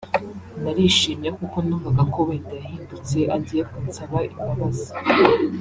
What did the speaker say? narishimye kuko numvaga ko wenda yahindutse agiye kunsaba imbabazi